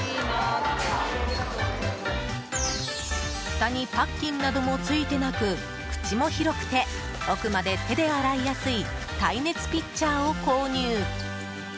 ふたにパッキンなどもついてなく口も広くて奥まで手で洗いやすい耐熱ピッチャーを購入。